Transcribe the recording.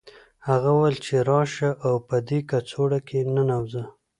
هغه وویل چې راشه او په دې کڅوړه کې ننوځه